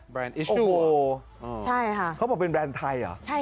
แบรนด์อิชั่วเหรอใช่ค่ะเขาบอกเป็นแบรนด์ไทยเหรอ